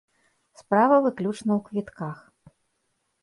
Справа выключна ў квітках.